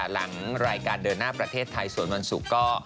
หลังรายการเดินหน้าประเทศไทยส่วนวันศุกร์ก็